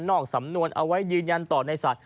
สำนวนเอาไว้ยืนยันต่อในสัตว